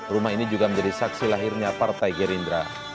rumah ini juga menjadi saksi lahirnya partai gerindra